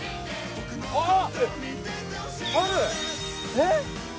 えっ！？